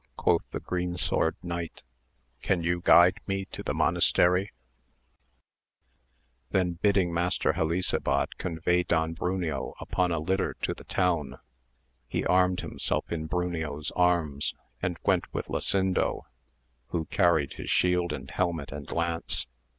quoth the Green Sword Knight, can you guide me to the monastery ? then bidding Master HeHsabad convey Don Bruneo upon a litter to the town, he armed himself in Bruneo's arms, and went with Lasindo, who carried his shield and helmet and lance.